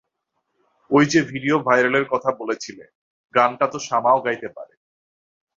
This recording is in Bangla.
ওইযে ভিডিও ভাইরালের কথা বলেছিলে, গানটা তো শামা ও গাইতে পারে।